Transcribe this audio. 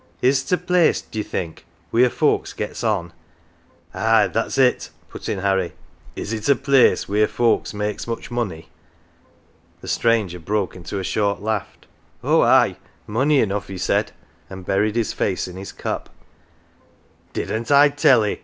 Is't a place, d'ye think, wheer folks get's on ?"" Ah, that's it,"" put in Harry ;" is it a place wheer folks makes much money ?" The stranger broke into a short laugh. " Oh, aye ! money enough !" he said, and buried his face in his cup. " Didn't I tell'ee